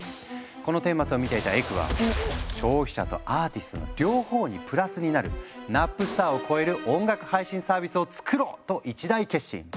この顛末を見ていたエクは「消費者とアーティストの両方にプラスになるナップスターを超える音楽配信サービスを作ろう！」と一大決心。